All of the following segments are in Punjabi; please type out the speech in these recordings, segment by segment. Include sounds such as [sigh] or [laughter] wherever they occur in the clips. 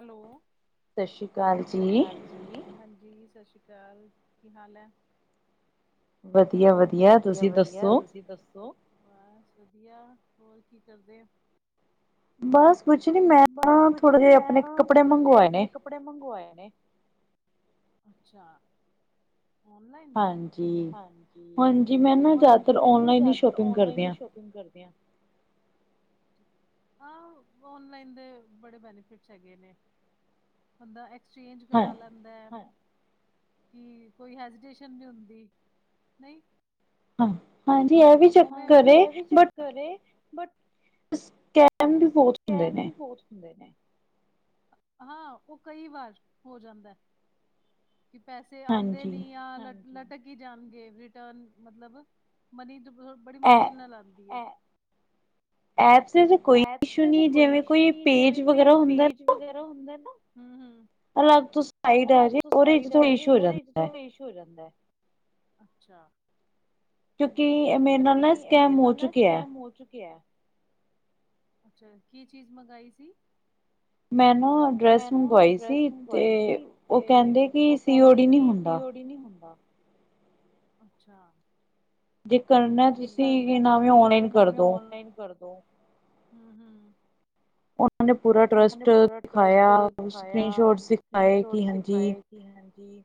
ਹੈਲੋ। ਸਤ ਸ਼੍ਰੀ ਸਤਿ ਸ਼੍ਰੀ ਅਕਾਲ ਜੀ, ਹਾਂਜੀ ਸਤਿ ਸ਼੍ਰੀ ਅਕਾਲ, ਕੀ ਹਾਲ ਹੈ? ਵਧੀਆ, ਵਧੀਆ। ਵਧੀਆ ਵਧੀਆ ਤੁਸੀਂ ਦੱਸੋ, ਬਸ ਵਧੀਆ, ਹੋਰ ਕੀ ਕਰਦੇ? ਬਸ ਕੁਛ ਨੀ, ਮੈਂ ਨਾ ਥੋੜੇ ਜਿਹੇ ਆਪਣੇ ਕੱਪੜੇ ਮੰਗਵਾਏ ਨੇ ਕੱਪੜੇ ਮੰਗਵਾਏ ਨੇ, ਅੱਛਾ ਓਨਲਾਈਨ? ਹਾਂਜੀ- ਹਾਂਜੀ ਮੈਂ ਨਾ ਜ਼ਿਆਦਾਤਰ ਓਨਲਾਈਨ ਹੀ ਸ਼ੋਪ ਸ਼ੌਪਿੰਗ ਕਰਦੇ ਆ। ਹਾਂ, ਔਨਲਾਈਨ ਦੇ ਬੜੇ ਬੈਨੀਫਿਟਸ ਹੈਗੇ ਨੇ। ਬੰਦਾ ਐਕਸਚੇਂਜ ਕਰਾ ਲਾ, ਬੰਦਾ ਚੇਂਜ ਕਰਾ ਲੈਂਦਾ, ਕੋਈ ਹੈਜੀਟੇਸ਼ਨ ਨੀ ਹੁੰਦੀ, ਨਹੀਂ ਹਾਂਜੀ ਇਹ ਵੀ ਚੱਕਰ ਐ, ਬਟ ਸਕੈਮ ਵੀ ਬਹੁਤ ਹੁੰਦੇ ਨੇ। ਬਹੁਤ ਹੁੰਦੇ ਨੇ। ਹਾਂ, ਉਹ ਕਈ ਵਾਰ ਹੋ ਜਾਂਦਾ। ਕੀ ਪੈਸੇ ਆਉਂਦੇ ਨੀ ਆ, ਲਟਕੀ ਜਾਣਗੇ ਰਿਟਰਨ ਮਤਲਬ ਮਨੀ ਬੜੀ ਮੁਸ਼ਕਿਲ ਨਾਲ ਆਉਂਦੀ ਹੈ। ਐਪਸ ਚ' ਕੋਈ ਇਸ਼ੂ ਨਹੀਂ, ਜਿਵੇਂ ਕੋਈ ਪੇਜ ਵਗੈਰਾ ਹੁੰਦਾ ਨਾ, ਹਮ ਹਮ ਅਲੱਗ ਤੋਂ ਸਾਈਡ ਆ ਜੇ, ਉਹਦੇ 'ਚ ਇਸ਼ੂ ਹੋ ਜਾਂਦਾ। ਥਰੂ ਇਸ਼ੂ ਹੋ ਜਾਂਦਾ, ਅੱਛਾ। ਠੀਕ ਹੈ, ਕਿਉਂਕਿ ਮੇਰੇ ਨਾਲ ਨਾ ਸਕੈਮ ਹੋ ਚੁੱਕਿਆ ਹੈ। ਅੱਛਾ! ਕੀ ਚੀਜ਼ ਮੰਗਾਈ ਸੀ? ਮੈਂ ਨਾ ਡਰੈਸ ਮੰਗਵਾਈ ਸੀ ਤੇ ਉਹ ਕਹਿੰਦੇ ਕਿ ਸੀਓ ਡੀ ਨਹੀਂ ਹੁੰਦਾ। ਅੱਛਾ। ਜੇ ਕਰਨਾ, ਜੇ ਕਰਨਾ ਤੁਸੀ, ਓਨਲਾਈਨ ਕਰਦੋ, ਹੂੰ ਹੂੰ ਉਹਨਾਂ ਨੇ ਪੂਰਾ ਟਰੱਸਟ ਦਿਖਾਇਆ, ਸਕ੍ਰਰੀਨ ਸ਼ੋਟਸ ਦਿਖਾਏ, ਕਿ ਹਾਂਜੀ ਕਿ ਹਾਂਜੀ,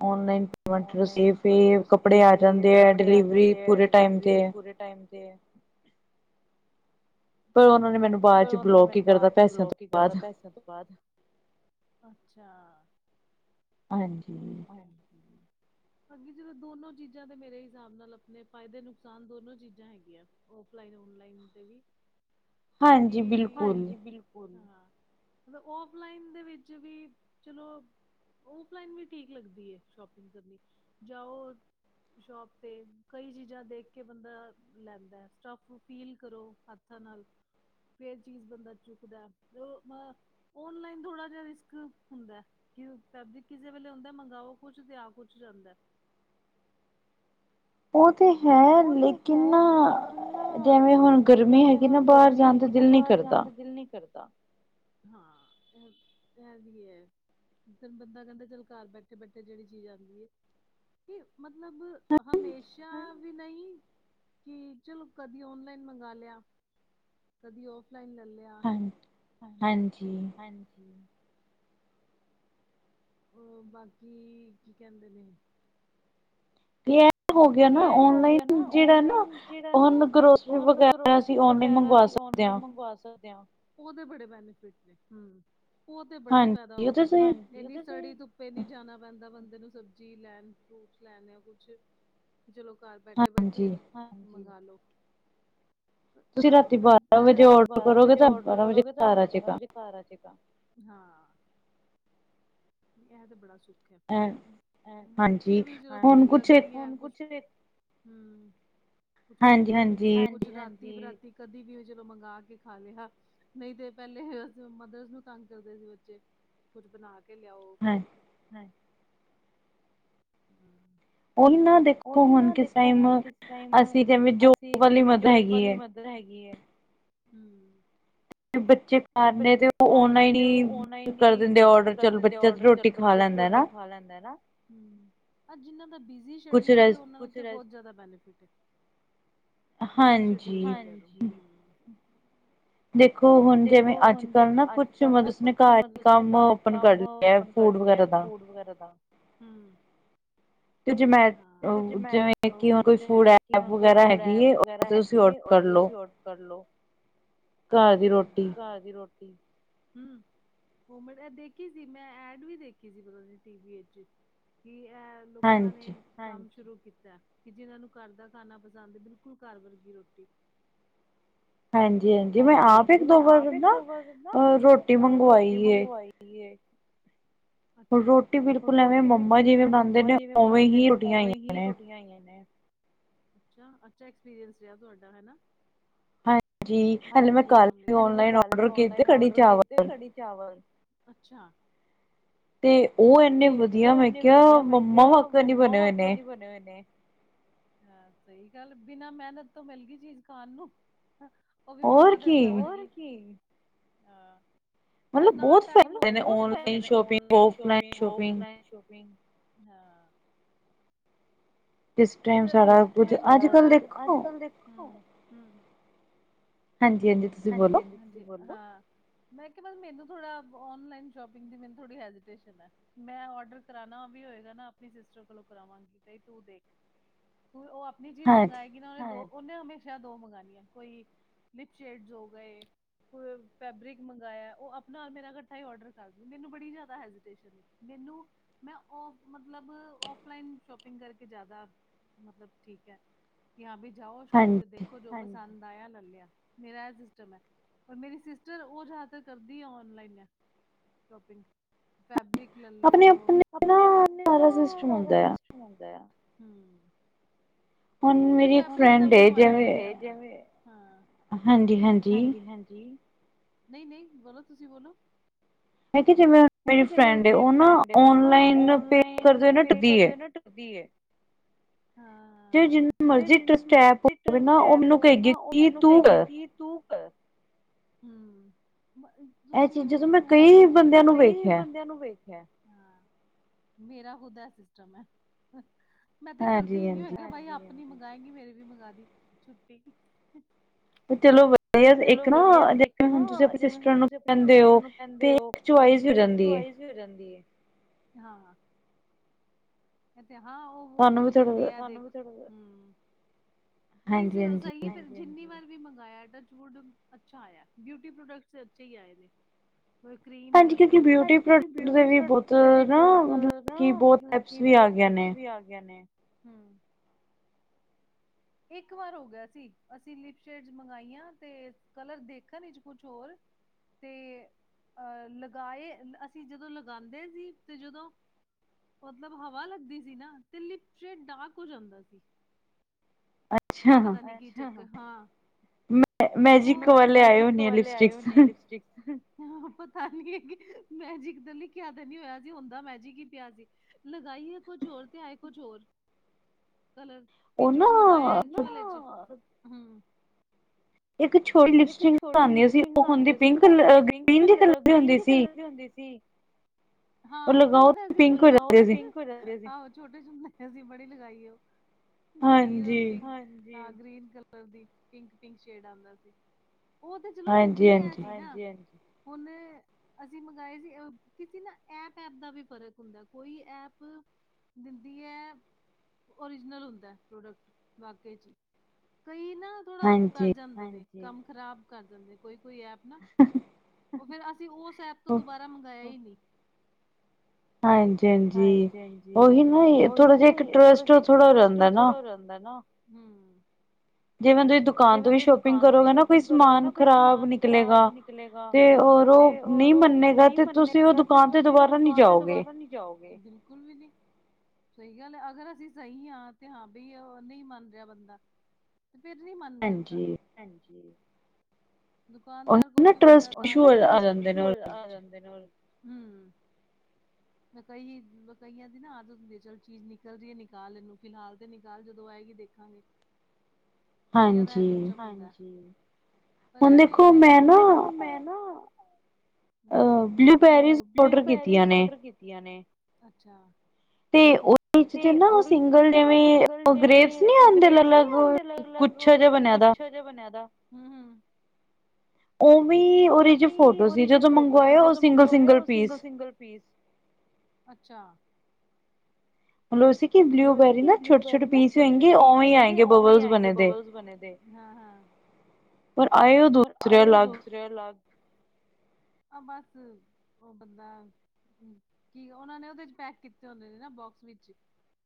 ਹੂੰ, ਓਨਲਾਈਨ ਪੇਮਟ ਰਸੀਵ ਵੀ ਕੱਪੜੇ ਆ ਜਾਂਦੇ ਏ, ਡਿਲੀਵਰੀ ਪੂਰੇ ਟਾਈਮ ਤੇ, ਫੇਰ ਉਹਨਾਂ ਨੇ ਮੈਨੂੰ ਫੇਰ ਉਹਨਾਂ ਨੇ ਮੈਨੂੰ ਬਾਅਦ ਚ ਬਲੋਕ ਹੀ ਕਰ ਦਾ, ਪੈਸੇਆਂ ਤੋਂ ਬਾਅਦ, ਅੱਛਾ। ਹਾਂਜੀ। ਠੀਕ ਏ ਹਾਂਜੀ। ਹਾਂਜੀ ਜਦੋਂ ਦੋਨੋ ਚੀਜ਼ਾਂ ਦੇ ਮੇਰੇ ਹਿਸਾਬ ਨਾਲ ਆਪਣੇ ਫਾਇਦੇ ਨੁਕਸਾਨ ਦੋਨੋ ਚੀਜ਼ਾਂ ਹੈਗੀਆਂ। ਔਫਲਾਈਨ ਓਨਲਾਈਨ ਦੇ ਵੀ, ਕੀ ਹਾਂਜੀ ਬਿਲ [unintelligible] ਮਤਲਬ ਔਫਲਾਈਨ ਦੇ ਵਿੱਚ ਵੀ ਚਲੋ ਉਹ ਔਫਲਾਈਨ ਵੀ ਠੀਕ ਲੱਗਦੀ ਏ, ਸ਼ੋਪਿੰਗ ਕਰਨੀ, ਜਾਓ ਸ਼ੋਪ ਤੇ, ਕਈ ਚੀਜ਼ਾਂ ਦੇਖ ਕੇ ਬੰਦਾ ਲੈਂਦਾ ਏ, ਸਟਫ ਨੂੰ ਫੀਲ ਕਰੋ। ਹੱਥਾਂ ਨਾਲ ਫੇਰ ਚੀਜ਼ ਬੰਦਾ ਚੁੱਕਦਾ, ਉਹ ਮ ਓਨਲਾਈਨ ਥੋੜਾ ਜੇਹਾ ਰਿਸਕ ਹੁੰਦਾ ਏ, ਕਿ ਫੈਬਰਿਕ ਕਿਸੇ ਵੇਲੇ ਹੁੰਦਾ ਮੰਗਾਓ ਕੁਛ, ਤੇ ਆ ਕੁਛ ਜਾਂਦਾ ਏ। ਉਹ ਤੇ ਹੈ ਲੇਕਿਨ ਨਾ, ਜੇਵੇਂ ਹੁਣ ਗਰਮੀ ਹੈ ਗੀ ਨਾ ਬਾਹਰ ਜਾਣ ਦਾ ਦਿਲ ਨੀ ਕਰਦਾ, ਹਾਂ ਏ ਏਹ ਵੀ ਏ। ਉਸ ਟਾਈਮ ਬੰਦਾ ਕਹੰਦਾ ਚੱਲ ਕਾਰ ਬੈਠੇ-ਬੈਠੇ ਜੇਹੜੀ ਚੀਜ਼ ਆਂਦੀ ਏ ਕਿ ਮਤਲਬ ਹਮੇਸ਼ਾ ਵੀ ਨਹੀਂ, ਕਿ ਚਲੋ ਕਦੀ ਓਨਲਾਈਨ ਮੰਗਾ ਲੇਆ। ਕਦੀ ਔਫਲਾਈਨ ਲ ਲੇਆ, ਹਾਂ ਹਾਂਜੀ। ਉਹ ਬਾਕੀ ਕੀ ਕਹਿੰਦੇ ਨੇ? ਕਿ ਏਹ ਹੋ ਗੇਆ ਨਾ ਔਨਲਾਈਨ ਜੇਹੜਾ ਨਾ ਹੁਣ ਗਰੋਸਰੀ ਵਗੈਰਾ ਵਗੈਰਾ ਅਸੀ ਓਨਲਾਈਨ ਮੰਗਵਾ ਸਕਦੇ ਆ, ਉਹਦੇ ਬੜੇ ਬੈਨੀਫਿਟ ਨੇ, ਹੂੰ। ਉਹ ਤੇ ਬੜਾ ਈ ਫਾਏਦਾ ਹੋ ਗੇਆ ਹਾਨ ਇੰਨੀ ਸੜੀ ਧੁੱਪੇ ਨੀ ਜਾਣਾ ਪੈਂਦਾ ਬੰਦੇ ਨੂੰ ਸਬਜ਼ੀ ਲੈਣ, ਫਰੂਟਸ ਲੈਣ ਯਾ ਕੁਛ ਕਿ ਚਲੋ ਕਾਰ ਬੈਠੇ-ਬੈਠੇ ਮੰਗਾਲੋ। ਹਾਂ ਫ ਮੈਂ, ਤੁਸੀਂ ਰਾਤੀ ਬਾਰਾਂ ਵਜੇ ਔਡਰ ਕਰੋਗੇ ਤਾਂ ਬਾਰਾਂ ਵਜੇ ਕਾਰ ਆਜੇ ਗਾ, ਹਾਂ। ਏਹ ਤੇ ਬੜਾ ਸੁੱਖ ਏਹ ਬੱਚੇ ਵੀ ਜਦੋਂ ਭੁੱਖ ਲੱਗਦੀ ਏ, ਹੁਣ ਕੁਝ ਹੂੰ, ਕੁੱਛ ਭੁੱਖ ਲੱਗੀ ਏ, ਹਾਨ ਰਾਤੀ ਬਰਾਤੀ ਕਦੀ ਵੀ ਉਹ ਜਦੋਂ ਮੰਗਾ ਕੇ ਖਾ ਲੇਹਾ। ਨਈ ਤੇ ਪੇਹਲੇ ਅਸੀਂ ਮਦਰਸ ਨੂੰ ਤੰਗ ਕਰਦੇ ਸੀ ਬੱਚੇ, ਕੁੱਛ ਬਣਾ ਕੇ ਲੇਆਓ, ਹੂੰ। ਓਹੀ ਨਾ ਦੇ ਓਹੀ ਨਾ ਦੇਖੋ ਹੁਣ ਕਿਸ ਟਾਈਮ ਅਸੀਂ ਜੇਵੇਂ ਜੋਬ ਆਲੀ ਮਦ ਰ ਹੈਗੀ ਏ, ਹੂੰ। ਬੱਚੇ ਬੱਚੇ [inaudible] ਓਨਲਾਈਨ ਈ ਕਰ ਦਿੰਦੇ ਔਡਰ, ਚਲੋ ਬੱਚਾ ਤੇ ਰੋਟੀ ਖਾ ਲੈਂਦਾ ਨਾ? ਹੂੰ ਏਹ ਜਿਨਾਂ ਦਾ ਬਿਜ਼ੀ ਸ਼ੇਡਿਊਲ ਏ ਉਹਨਾਂ ਦਾ ਬੌਹਤ ਜਾਦਾ ਬੈਨੀਫਿਟ ਏ। ਬਿਜ਼ੀ ਸ਼ੇਡਊਲ [unintelligible] ਹਾਂਜੀ। ਦੇਖੋ ਹੁਣ ਜੇਵੇਂ ਆਜ ਕੱਲ੍ਹ ਨਾ ਕੁੱਛ ਮਤਲਬ ਉਸਨੇ ਕਾਰ ਈ ਕੰਮ ਓਪਨ ਕਰ ਲੇਆ ਏ ਫੂਡ ਵਗੈਰਾ ਦਾ, ਹੂੰ। ਹਾਂ ਜਮੈ ਉਹ ਜੇਵੇਂ ਕਿ ਹੁਣ ਕੋਈ ਫੂਡ ਐਪ ਵਗੈਰਾ ਹੈਗੀ ਏ, ਅਹ ਤੁਸੀਂ ਔ ਕਰਲੋ ਹਾਂ ਕਾਰ ਦੀ ਰੋਟੀ, ਹੂੰ। ਉਹ ਮੈਂ, ਏਹ ਦੇਖੀ ਸੀ, ਮੈਂ ਐਡ ਵੀ ਦੇਖੀ ਸੀ ਪਤਾ ਨੀ ਟੀ ਵੀ ਇੱਚ, ਕਿ ਏਹ ਲੋਕਾਂ ਨੇ ਕੰਮ ਸ਼ੁਰੂ ਕੀਤਾ ਏ, ਕਿ ਜਿਨਾਂ ਨੂੰ ਕਾਰ ਦਾ ਖਾਣਾ ਪਸੰਦ ਬਿਲਕੁਲ ਕਾਰ ਵਰਗੀ ਰੋਟੀ। ਹਾਂਜੀ ਹਾਂ। ਹਾਂਜੀ- ਹਾਂਜੀ ਮੈਂ ਆਪ ਇੱਕ- ਦੋ ਵਾਰ ਨਾ ਰੋਟੀ ਮੰਗਵਾਈ ਏ। ਅੱਛਾ ਰੋਟੀ ਬਿਲਕੁਲ ਐਵੇਂ ਮੰਮਾ ਜਿਵੇਂ ਬਣਾਉਂਦੇ ਨੇ ਉਵੇਂ ਹੀ ਰੋਟੀਆਂ ਆਈਆਂ ਨੇ। ਅੱਛਾ, ਅੱਛਾ ਐਕਸਪੀਰੀਅੰਸ ਰਿਹਾ ਤੁਹਾਡਾ ਹਨਾ। ਹਾਂਜੀ ਹਲੇ ਮੈਂ ਕਲ ਹੀ ਔਓਨਲਾਈਨ ਔਡਰਕੀਤੇ ਕੜੀ- ਚਾਵਲ ਅਛਾ। ਤੇ ਉਹ ਤੇ ਉਹ ਇੰਨੇ ਵਧੀਆ ਮੈਂ ਕਿਹਾ ਮੰਮਾ ਵਾਕਨ ਹੀ ਬਣੇ ਹੋਏ ਨੇ। ਹਾਂ ਸਹੀ ਗੱਲ ਬਿਨਾਂ ਮਿਹਨਤ ਤੋਂ ਮਿਲ ਗਈ ਚੀਜ਼ ਖਾਣ ਨੂੰ। ਉਹ ਵੀ ਮੰਮਾ ਦੇ ਹਥਾ ਦਾ ਬਨਿਆ, ਹੋਰ ਕੀ ਹਾ। ਆ ਨਾ ਟਾਈਮ ਹੋਵੇ ਉਸ time online shop offline shopping ਹਾਂ। ਮਤਲਬ ਮੈਂਨੂੰ ਥੋੜਾ, ਅੱਜ ਕਲ ਦੇਖੋ ਹੂੰ ਹਾਂਜੀ-ਹਾਂਜੀ। ਹਾਂਜੀ- ਹਾਜੀ ਹਾਂ ਬੋਲੋ। ਮੈਂ ਕਿਹਾ ਮੈਨੂੰ ਥੋੜਾ ਔਨਲਾਈਨ ਸ਼ੋਪਿੰਗ ਦੀ ਮੈਨੂੰ ਥੋੜੀ ਹਡੀਟੇਸਨ ਹੈ। ਮੈਂ ਔਡਰ ਕਰਾਉਣਾ ਵੀ ਹੋਏਗਾ ਨਾ ਆਪਣੀ ਸਿਸਟਰ ਕੋਲੋਂ ਕਰਾਵਾਂਗੀ, ਬਈ ਤੂੰ ਦੇਖ। ਉਹ ਆਪਣੀ ਚੀਜ਼ ਮੰਗਏਗੀ ਨਾ ਉਹਨੇ ਦ ਉਹਨੇ ਹਮੇਸ਼ਾ ਦੋ ਮੰਗਾਣੀਆ ਕੋਈ ਸ਼ੇਡਜ਼ ਹੋ ਗਏ। ਫੈਬਰਿਕ ਮੰਗਾਇਆ ਉਹ ਆਪਣਾ- ਮੇਰਾ ਇਕੱਠਾ ਔਡਰ ਕਰ ਦੇਂਦੀ ਮੈਨੂੰ ਬੜੀ ਜ਼ਿਆਦਾ ਹੇ। ਮੈਨੂੰ ਮੈਂ ਮਤਲਬ ਔਫਲਈਨ ਸ਼ੋਪਿੰਗ ਕਰਕੇ ਜਿਆਦਾ ਮਤਲਬ ਠੀਕ ਹੈ ਕਿਆ ਬਣੀ ਜਾਓ, ਸ਼ੋਪ ਤੇ ਦੇਖੋ, ਜੋ ਪਸੰਦ ਆਇਆ ਲੈ ਲਿਆ। ਮੇਰਾ ਇਹ ਸਿਸਟਮ ਹੈ, ਔਰ ਮੇਰੀ ਸਿਸਟਰ ਉਹ ਜ਼ਿਆਦਾਤਰ ਕਰਦੀ ਆ ਔਨਲਾਈਨ ਐ। ਸ਼ਪਿੰਗ ਫੈਬਰਿਕ ਲੈ ਲੋ, ਆਪਣੇ- ਆਪਣੇ ਨਾ ਸ ਅਛਾ ਹੁੰਦਾ ਆ। ਮੈਨੂੰ ਫੈਬਰਿਕ [unintelligible] ਹਾਂਜੀ-ਹਾਂਜੀ। ਹਾਂਜੀ-ਹਾਂਜੀ ਨਹੀਂ-ਨਹੀਂ ਬੋਲੋ ਤੁਸੀਂ ਬੋਲੋ। ਮੈਂ ਕਿਹਾ ਜਿਵੇਂ ਹੁਣ ਮੇਰੀ ਫਰੈਂਡ ਐ ਉਹ ਨਾ ਓਨਲਾਈਨ ਪੇ ਕਰਦੇ ਹੋਏ ਨਾ ਡਰਦੀ ਹੈ। [unintelligible] ਹਾਂ ਤੇ ਜਿਨੀ ਮਰਜੀ ਸਟੈਪ ਹੋਵੇ ਨਾ ਉਹ ਮੈਨੂੰ ਕਹਿਗੀ ਕਿ ਕੀ ਤੂੰ ਕ ਹੂੰ ਤੁਸੀਂ ਯੂਜ ਟੂ ਹੋ ਗਏ ਹੋ ਗਏ ਨਾ, ਕਈ ਬੰਦਿਆਂ ਨੂੰ ਵੇਖਿਆ। ਹਾਂ ਮੇਰਾ ਖੁਦਾ ਐ ਸਿਸਟਮ ਹੈ। ਮੈਂ ਤੇ ਕਰਦੀ ਹੀ ਨੀ ਹੋਏਗੀ ਬਾਈ ਆਪਣੀ ਮੰਗਵਾਏਗੀ ਮੇਰੀ ਵੀ ਮੰਗਵਾ ਦੀ, ਛੁੱਟੀ। ਤੇ ਚਲੋ ਚਲੋ ਵਧੀਆ ਇੱਕ ਨਾ ਜਿਵੇਂ ਹੁਣ ਤੁਸੀਂ ਆਪਣੇ ਸਿਸਟਰ ਨੂੰ ਕਹਿੰਦੇ ਹੋ, ਤੇ ਚੁਇਸ ਹੋ ਜਾਦੀ ਹੈ, ਹਾਂ। ਐ ਤੇ ਹਾਂ ਉਹ ਪੁੱਛ ਲੈਂਦੀ ਆ, ਹੂੰ ਬੀਜੀ ਹੋ ਸਹੀ ਹੈ ਫੇਰ ਮੇ ਕਿਨੀ ਵਾਰ ਵੀ ਮੰਗਾਇਆ ਟਚ ਵੁਡ ਅੱਛਾ ਆਇਆ, ਬਿਊਟੀ ਪ੍ਰੋਡਕਟ ਅਛੇ ਹੀ ਆਏ ਨੇ। ਕਰੀਮ ਲੇ ਲੋ, ਹਾਂਜੀ ਕਿਉਂਕਿ ਬਊਟੀ ਵੀ ਬਹੁਤ ਨਾ ਮਤਲਬ ਕਿ ਬਹੁਤ ਐਪਸ ਵੀ ਆ ਗਏ ਨੇ, ਹੂੰ। ਇੱਕ ਵਾਰ ਹੋ ਗਿਆ ਸੀ। ਅਸੀਂ ਲਿਪਸ਼ੇਡ ਮੰਗਾਈਆਂ ਤੇ ਕਲਰ ਦੇਖਣ ਨ ਕੁਛ ਹੋਰ ਤੇ ਅਹ ਲਗਾਏ ਅਸੀਂ ਜਦੋਂ ਲਗਾਉਂਦੇ ਸੀ ਤੇ ਜਦੋਂ ਮਤਲਬ ਹਵਾ ਲੱਗਦੀ ਸੀ ਨਾ, ਤੇ ਲਿਪ ਚੇ ਡਾਰਕ ਹੋ ਜਾਂਦਾ ਸੀ। ਇਹ ਪਤਾ ਨੀ ਕੀ ਠਕ ਹਾਂ। ਤੇ ਉਹ, ਮੈਜਿਕ ਵਾਲੇ ਆਏ ਹੋਣੇ ਆ ਲਿਪਸਟਿਕ। ਹ ਪਤਾ ਨੀ ਹੈ, ਕਿ ਮੈਜਿਕ ਤਾਂ ਲਿਖਿਆ ਤਾਂ ਨਹੀਂ ਹੋਇਆ ਸੀ। ਹੁੰਦਾ ਮੈਜਿਕ ਹੀ ਪਿਆ ਸੀ। ਲਗਾਈ ਹੈ ਕੁਝ ਹੋਰ, ਤੇ ਆਏ ਕੁਝ ਹੋਰ, ਕਲਰ ਕਿ ਜੋ ਮੰਗਵਾਆ, ਹਮ ਇੱਕ ਛੋਟੀ ਲਿਪਸਟਿੰਕਸ ਆਉਂਦੀਆਂ ਸੀ, ਉਹ ਹੁੰਦੀ, ਪਿੰਕ ਕਲਰ, ਗ੍ਰਲੀਨ ਦੀ ਕਲਰ ਦੀ ਹੁੰਦੀ ਸੀ। ਹਾਂ, ਉਹਦਾ ਸੀ ਆਹੋ ਛੋਟੇ ਛੁੰਦੇਸੀਂ ਬੜੀ ਲਗਾਈ ਉਹ, ਗਰੀਰ ਰ ਵੀ ਹ ਗ੍ਰੀਨ ਕਲਰ ਦੀ, ਪਿੰਕ- ਪਿੰਕ ਸ਼ੇਡ ਆਉਂਦਾ ਸੀ ਉਹ ਤੇ ਚਲੋ ਹੁੰਦੀ ਹੈ ਸੀ ਨਾ, ਹੁਣ ਅਸੀਂ ਮੰਗਾਏ ਸੀ, ਕਿਸੀ ਨਾ ਐਪ, ਐਪ ਦਾ ਵੀ ਫਰਕ ਹੁੰਦਾ ਕੋਈ ਐਪ ਦਿੰਦੀ ਹੈ, ਰਿਜਨਲ ਹੁੰਦਾ ਪ੍ਰੋਡਕਟ, ਵਾਕਈ 'ਚ ਹੀ ਕਈ ਨਾ, ਥੋੜਾ ਕਰ ਜਾਂਦੇ ਨੇ, ਕੰਮ ਖਰਾਬ ਕਰ ਜਾਂਦੇ, ਕੋਈ- ਕੋਈ ਐਪ ਨਾ। ਫਿਰ ਅਸੀਂ ਉਸ ਐਪ ਤੋਂ ਦੁਬਾਰਾ ਮੰਗਾਇਆ ਹੀ ਨਹੀਂ ਹਾਂਜੀ, ਹਾਂਜੀ, ਉਹੀ ਨਾ, ਥੋੜਾ ਜਿਹਾ ਇਕ ਇੰਟਰਸਟ ਥੋੜਾ ਹੋ ਜਾਂਦਾ ਨਾ। ਹਮ ਜਿਵੇਂ ਤੁਸੀਂ ਜਿਵੇਂ ਤੁਸੀਂ ਦੁਕਾਨ ਤੋਂ ਵੀ ਸ਼ੋਪਿੰਗ ਕਰੋਗੇ ਨਾ ਕੋਈ ਸਮਾਨ ਖ਼ਰਾਬ ਨਿਕਲੇਗਾ, ਹਮ ਤੇ ਰ, ਉਹ ਨਹੀਂ ਮੰਨੇਗਾ ਤੇ ਤੁਸੀਂ ਉਹ ਦੁਕਾਨ ਤੇ ਦੁਬਾਰਾ ਨੀ ਜਾਓਗੇ, ਬਿਲਕੁਲ ਵੀ ਨੀ ਸਹੀ ਗੱਲ, ਅਗਰ ਅਸੀਂ ਸਹੀ ਹਾਂ ਤੇ ਹਾਂ ਬਈ ਨਹੀਂ ਮੰਨ ਰਿਹਾ ਬੰਦਾ, ਤੇ ਫਿਰ ਨੀ ਮਨ ਕਰਦਾ, ਹਾਂਜੀ, ਦੁਕਾਨਦਾਰ ਉਹਨੂੰ ਨਾ ਟਰਸਟ ਸੋ, ਆ ਜਾਂਦੇ ਨੇ, ਹਮ ਮੈਂ ਕਈ, ਕਈਆਂ ਦੀ ਨਾ ਆਦਤ ਹੁੰਦੀ, ਚੱਲ ਚੀਜ਼ ਨਿਕਲ ਰਹੀ ਹੈ, ਨਿਕਾਲ ਇਹਨੂੰ ਫਿਲਹਾਲ ਤੇ ਨਿਕਾਲ ਜਦੋਂ ਆਏਗੀ ਦੇਖਾਂਗੇ। ਕਈਆਂ ਦਾ ਇਹ ਸਿਸਟਮ ਹੁੰਦਾ ਮ ਹੁਣ ਦੇਖੋ ਮੈਂ ਨਾ ਹ ਬਲੂ ਬੇਰੀ ਓਡਰ ਕੀਤੀਆਂ ਨੇੇ ਤੇ ਉਹਦੇ ਚ ਤੇ ਨਾ ਉਹ ਸਿੰਗਲ ਜਿਵੇਂ, ਉਹ ਗ੍ਰੇਬਸ ਨੀ ਆਉਂਦੇ ਅਲੱਗ- ਅਲੱਗ ਕੁੱਛ ਜਿਹਾ ਬਣਿਆ ਦਾ, ਹਮ- ਹਮ ਉਹ ਵੀ ਓ ਵੀ, ਉਹਦੇ ਫੋਟੋ ਸੀ, ਜਦੋਂ ਮੰਗਵਾਇਆ ਉਹ ਸਿੰਗਲ- ਸਿੰਗਲ ਪੀਸ ਅੱਛਾ ਮਤਲਬ ਅਸੀ ਮਤਲਸੀ ਕੀ ਬਲੂ ਬੇਰੀ ਨਾ ਛੋਟੇ ਛੋਟ ਪੀਸ ਹੋਂਗੀ ਓਵੇਂ ਹੀ ਆਏਂਗੇ ਬਬਲਸ ਬਣੇ ਦੇ, ਹਾਂ- ਹਾਂ ਪਰ ਆਇਓ ਪਰ ਆਏ ਉਹ ਦੂਸਰਿਆਂ ਅਲੱਗ, ਆ ਬਸ, ਉਹ ਬੰਦਾ। ਕੀ ਉਹਨਾਂ ਨੇ, ਉਹਦੇ 'ਚ ਪੈਕ ਕੀਤੇ ਹੁੰਦੇ ਨੇ ਨਾ ਬੋਕਸ ਵਿੱਚ,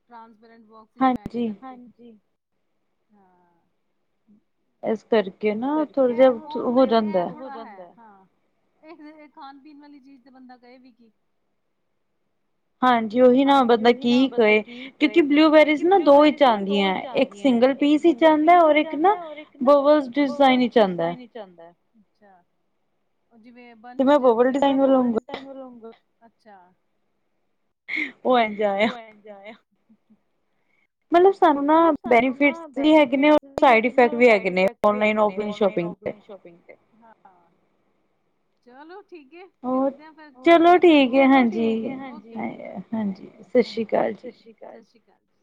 ਟ੍ਰਾਂਸਪੇਰੈਂਟ ਬੋਕਸ ਬੋਕਸ 'ਚ ਪੈਕ ਕਰ, ਹਾਂਜੀ ਹਾਂ ਇਸ ਕਰਕੇ ਇਸ ਕਰਕੇ, ਹੋ ਜਾਂਦਾ ਆ ਇਹ, ਇਹ ਖਾਣ- ਪੀਣ ਵਾਲੀ ਚੀਜ਼ ਤੇ ਬੰਦਾ ਕਹੇ ਵੀ ਕਿ ਹਾਂਜੀ, ਉਹੀ ਨਾ ਬੰਦਾ ਕੀ ਕਏ, ਕਿਉਂਕਿ ਬਲਊਬੇਰੀਜ਼ ਨਾ ਦੋ ਵਿੱਚ ਆਉਂਦੀਆਂ ਹੈ। ਇੱਕ ਸਿੰਗਲ ਪੀਸ 'ਚ ਹੀ ਆਉਂਦਾ, ਔਰ ਇਕ ਨਾ ਬਬਲਸ ਡਿਜ਼ਾਇਨ 'ਚ ਹੀ ਆਉਦਾ ਹੈ। ਜਿਵੇਂ ਬੰਚ ਜ ਬਣਿਆ ਤੈਨੂੰ ਰੋਂਗ ਅੱਛਾ, ਠੀ ਉਹ ਐ ਜਾਆ ਮਤਲਬ ਸਾਨੂੰ ਨਾ ਬੈਨੀਫਿਟਜ਼ ਵੀ ਹੈਗੇ ਔਰ ਸਾਈਡ ਇਫੈਕਟ ਵੀ ਹੈਗੇ ਨੇ ਆਨਲਾਈਨ ਨਹੀਂ ਸ਼ੋਪਿੰਗ ਤੇ ਹਾਂ ਚਲੋ ਠੀਕ ਹੈ। ਮਿਲਦੇ ਆਂ ਫਿਰ ਕਰਦੇ ਆ ਗੱਲ ਚਲੋ ਠੀਕ ਹੈ ਓਕੇ ਓਕੇ ਹਾਂਜੀ ਹਾਂਜੀ ਸਤਿ ਸ਼੍ਰੀ ਅਕਾਲ ਸਤਿ ਸ੍ਰੀ ਅਕਾਲ